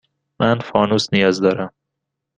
من فانوس نیاز دارم.